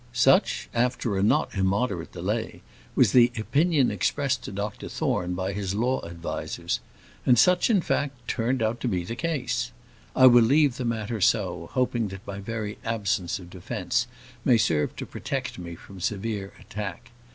Such, after a not immoderate delay, was the opinion expressed to Dr Thorne by his law advisers; and such, in fact, turned out to be the case. I will leave the matter so, hoping that my very absence of defence may serve to protect me from severe attack.